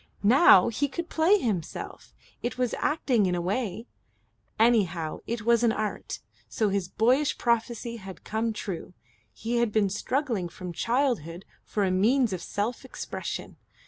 Now he could play himself. It was acting in a way. Anyhow it was an Art; so his boyish prophecy had come true. He had been struggling from childhood for a means of self expression.